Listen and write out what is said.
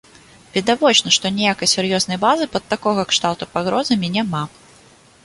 Відавочна, што ніякай сур'ёзнай базы пад такога кшталту пагрозамі няма.